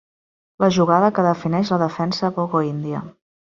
La jugada que defineix la defensa Bogo-Índia.